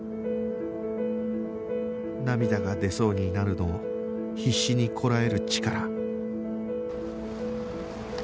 涙が出そうになるのを必死にこらえるチカラ